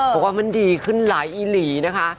บอกว่ามันดีขึ้นหลายอีหลีนะคะ